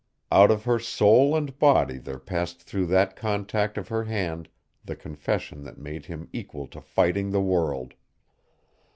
Out of her soul and body there passed through that contact of her hand the confession that made him equal to fighting the world.